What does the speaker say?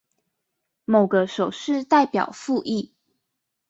某個手勢代表覆議